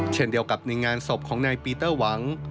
เช่นเดียวกับในงานศพของนายปีเตอร์หวัง